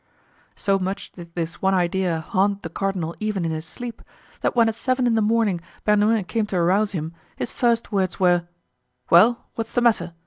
So much did this one idea haunt the cardinal even in his sleep, that when at seven in the morning Bernouin came to arouse him, his first words were: "Well, what's the matter?